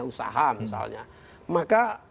usaha misalnya maka